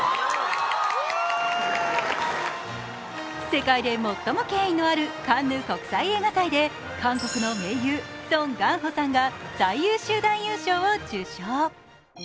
世界で最も権威のあるカンヌ国際映画祭で韓国の名優、ソン・ガンホさんが最優秀男優賞を受賞。